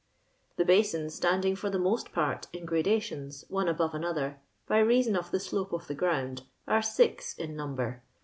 *^ The basins, standing for the most part in gradations, one above another, by reason of the slope of the gromid, are six in number.